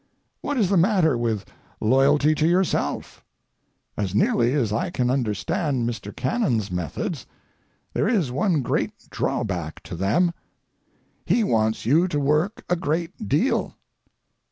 What is the matter with loyalty to yourself? As nearly as I can understand Mr. Cannon's methods, there is one great drawback to them. He wants you to work a great deal.